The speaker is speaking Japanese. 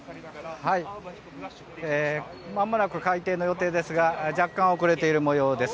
まもなく開廷の予定ですが若干、遅れている模様です。